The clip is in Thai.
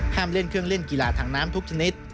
เล่นเครื่องเล่นกีฬาทางน้ำทุกชนิด